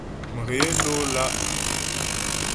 Mghě ló lá'.